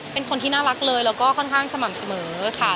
เป็นคนที่น่ารักเลยแล้วก็ค่อนข้างสม่ำเสมอค่ะ